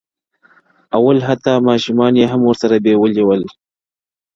او حتی ماشومان یې هم ورسره بېولي ول -